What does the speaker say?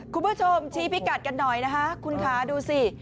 คุณผู้ชมชี้พิกัดกันหน่อยนะคะคุณคะดูสิ